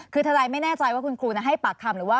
คือทนายไม่แน่ใจว่าคุณครูให้ปากคำหรือว่า